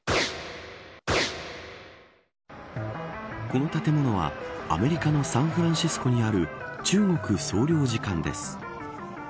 この建物は、アメリカのサンフランシスコにある中国総領事館です。